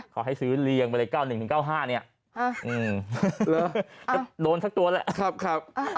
เขาให้ซื้อเลียงไปเลข๙๑ถึง๙๕นี่โดนซักตัวแล้ว